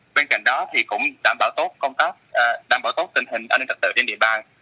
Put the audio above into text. bên cạnh đó cũng đảm bảo tốt công tác đảm bảo tốt tình hình an ninh trật tự trên địa bàn